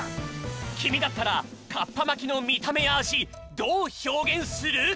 きみだったらカッパまきのみためやあじどうひょうげんする？